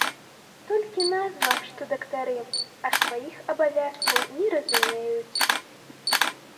Толькі назва, што дактары, а сваіх абавязкаў не разумеюць.